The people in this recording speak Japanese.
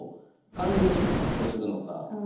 完全に切除するのか。